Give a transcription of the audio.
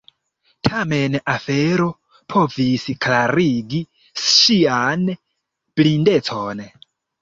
Tamen afero povis klarigi ŝian blindecon.